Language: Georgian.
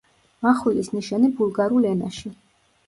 მახვილის ნიშანი ბულგარულ ენაში.